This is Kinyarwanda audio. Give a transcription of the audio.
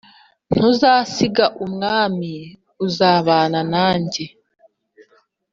Ntuzansiga mwaami uzabana nanjye